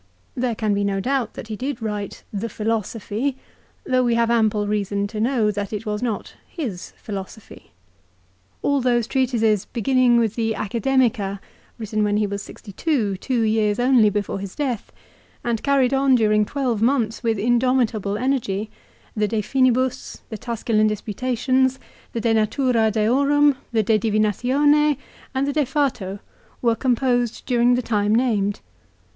There can be no doubt that he did write "The Philosophy," though we have ample reason to know that it was not his philosophy. All those treatises beginning with the "Academica," written when he was sixty two, two years only before his death, and carried on during twelve months with indomitable energy, the "De Finibus," the " Tusculan Disputations," the " De Natura Deorum," the "De Divinatione," and the "De Fato," were composed during the time named.